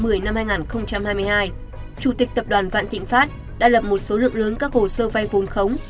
đến ngày một mươi tháng một mươi năm hai nghìn hai mươi hai chủ tịch tập đoàn vạn tịnh pháp đã lập một số lượng lớn các hồ sơ vai vốn khống